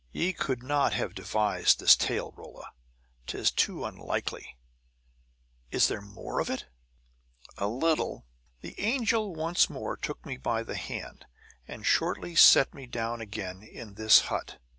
"Ye could not have devised this tale, Rolla. 'Tis too unlikely. Is there more of it?" "A little. The angel once more took me by the hand, and shortly set me down again in this hut.